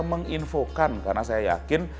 menginfokan karena saya yakin